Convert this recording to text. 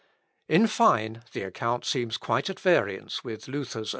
In fine, the account seems quite at variance with Luther's own statement.